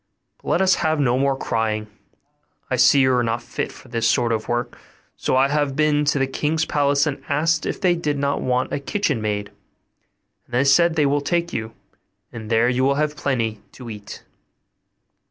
but let us have no more crying; I see you are not fit for this sort of work, so I have been to the king's palace, and asked if they did not want a kitchen maid; and they say they will take you, and there you will have plenty to eat.